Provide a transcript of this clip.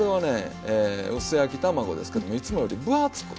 薄焼き卵ですけどいつもより分厚く。